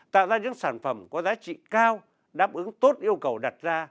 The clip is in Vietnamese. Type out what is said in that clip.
tạo ra những sản phẩm có giá trị cao đáp ứng tốt yêu cầu đặt ra